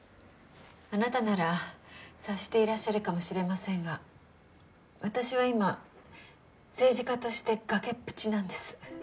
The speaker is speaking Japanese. あなたなら察していらっしゃるかもしれませんが私は今政治家として崖っぷちなんです。